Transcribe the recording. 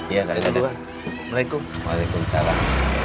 iya kalian berdua waalaikumsalam